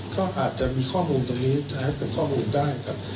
ก็อาจจะมีข้อมูลตรงนี้จะให้เป็นข้อมูลได้ครับ